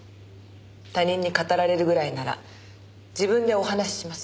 他人に語られるぐらいなら自分でお話しします。